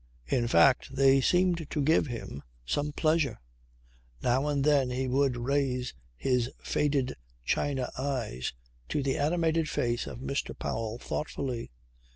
In fact they seemed to give him some pleasure. Now and then he would raise his faded china eyes to the animated face of Mr. Powell thoughtfully.